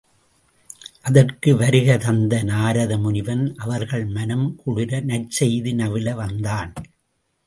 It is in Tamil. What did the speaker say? அதற்கு வருகை தந்த நாரத முனிவன் அவர்கள் மனம் குளிர நற் செய்தி நவில வந்தான்.